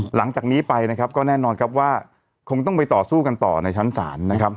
หลังจากนี้ไปนะครับก็แน่นอนครับว่าคงต้องไปต่อสู้กันต่อในชั้นศาลนะครับ